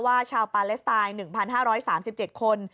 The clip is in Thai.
ชาวปาเลสไตน์๑๕๓๗คน